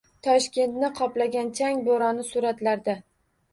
Toshkentni qoplagan chang bo‘roni — suratlarda